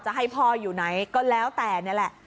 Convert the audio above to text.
ให้พ่ออยู่ไหนก็แล้วแต่นี่แหละ